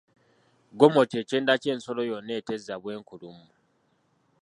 Gomo kye kyenda ky’ensolo yonna etezza bw’enkulumu.